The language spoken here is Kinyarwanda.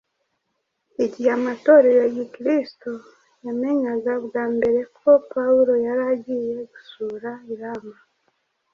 Igihe amatorero ya Gikristo yamenyaga bwa mbere ko Pawulo yari agiye gusura i Roma,